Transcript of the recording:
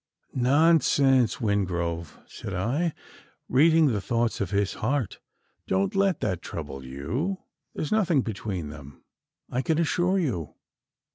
"Nonsense, Wingrove!" said I, reading the thoughts of his heart. "Don't let that trouble you: there's nothing between them, I can assure you."